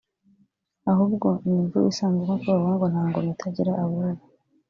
ahubwo ni imvugo isanzwe nkúko bavuga ngo nta ngoma itagira abubu